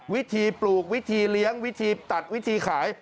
วิธีปลูกวิธีเลี้ยงวิธีตัดวิธีขาย